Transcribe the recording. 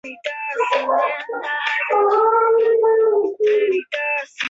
这次地震也称为奥尻岛地震。